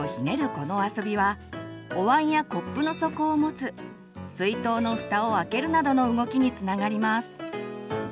この遊びはおわんやコップの底を持つ水筒のふたを開けるなどの動きにつながります。